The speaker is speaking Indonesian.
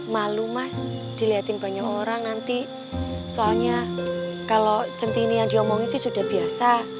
malu mas dilihatin banyak orang nanti soalnya kalau centini yang diomongin sih sudah biasa